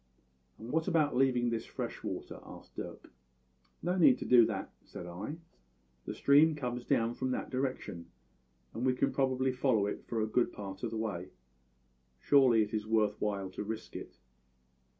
"`And what about leaving this fresh water?' asked Dirk. "`No need to do that,' said I. `The stream comes down from that direction, and we can probably follow it for a good part of the way. Surely it is worth while to risk it.'